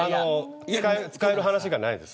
使える話がないです、